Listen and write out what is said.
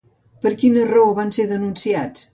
Per quina raó van ser denunciats?